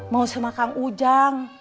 mau sama kang ujang